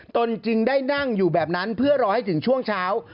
ตนจึงได้นั่งอยู่แบบนั้นเพื่อรอให้ถึงช่วงเช้า